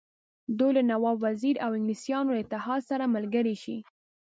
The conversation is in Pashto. دوی له نواب وزیر او انګلیسیانو له اتحاد سره ملګري شي.